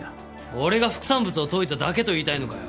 俺が副産物を解いただけと言いたいのかよ！